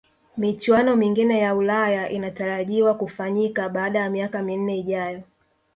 michuano mingine ya ulaya inatarajiwa kufanyika baada ya miaka minne ijayo